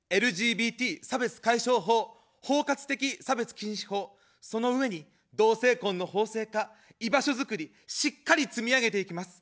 ＬＧＢＴ差別解消法、包括的差別禁止法、その上に同性婚の法制化、居場所づくり、しっかり積み上げていきます。